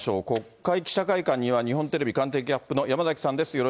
国会記者会館には、日本テレビ官邸キャップの山崎さんです。